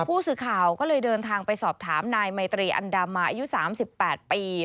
ผู้สื่อข่าวก็เลยเดินทางไปสอบถามนายไมตรีอันดามาอายุ๓๘ปี